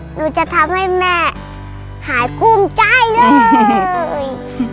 หนูจะทำให้แม่หายคุ้มใจเลย